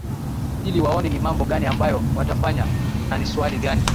ili waone ni mambo gani ambayo watafanya na ni swala gani